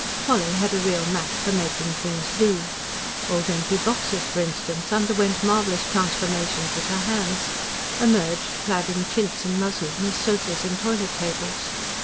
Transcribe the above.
Polly had a real knack for making things "do". Old empty boxes, for instance, underwent marvellous transformations at her hands emerged, clad in chintz and muslin, as sofas and toilet tables.